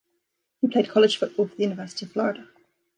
He played college football for the University of Florida.